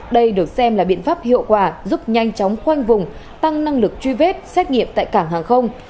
đây được xem là biện pháp hiệu quả giúp nhanh chóng khoanh vùng tăng năng lực truy vết xét nghiệm tại cảng hàng không